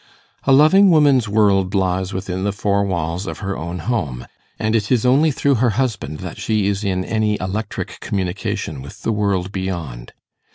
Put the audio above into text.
A loving woman's world lies within the four walls of her own home; and it is only through her husband that she is in any electric communication with the world beyond.